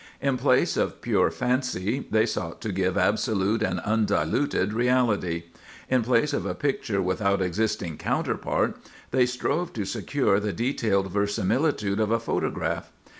In place of pure fancy, they sought to give absolute and undiluted reality; in place of a picture without existing counterpart, they strove to secure the detailed verisimilitude of a photograph.